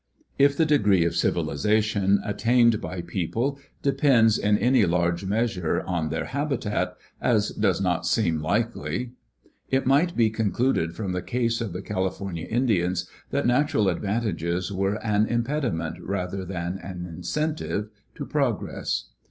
If the degree of civilization attained by people depends in any large measure on their habitat, as does not seem likely, it might be concluded from the case of the California Indians that natural advantages were an impediment rather than an incentive to progress.